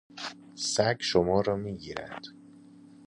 سگ شما را میگیرد.